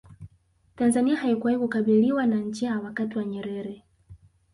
tanzania haikuwahi kukabiliwa na njaa wakati wa nyerere